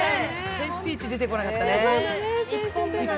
ペンチピーチ出てこなかったね。